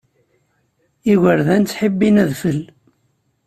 Igerdan ttḥibbin adfel.